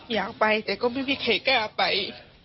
อยากไปแต่ก็ไม่มีใครกล้าไป